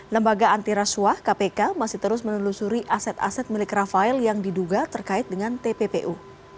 lembaga antirasuah kpk masih terus menelusuri aset aset milik rafael yang diduga terkait dengan tppu